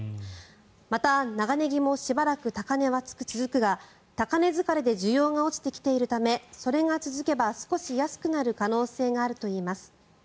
また、長ネギもしばらく高値は続くが高値疲れで需要が落ちてきているためそれが続けば少し安くなる可能性があるといいます。